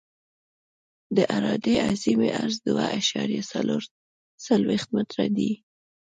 د عرادې اعظمي عرض دوه اعشاریه څلور څلویښت متره دی